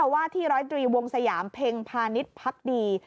๙ว่าที่๑๐๓วงสยามเพ็งพาณิชย์พักดี